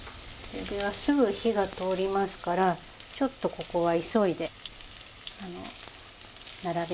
エビはすぐ火が通りますからちょっとここは急いで並べてください。